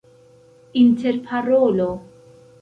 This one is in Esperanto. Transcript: interparolo